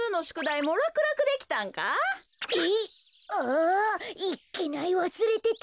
あ！いっけないわすれてた！